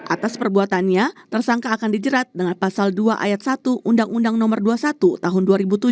atas perbuatannya tersangka akan dijerat dengan pasal dua ayat satu undang undang no dua puluh satu tahun dua ribu tujuh